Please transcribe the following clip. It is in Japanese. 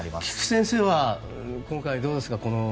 菊地先生は今回どうですか？